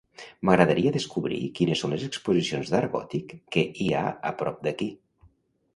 M'agradaria descobrir quines són les exposicions d'art gòtic que hi ha a prop d'aquí.